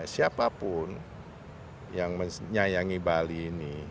siapapun yang menyayangi bali ini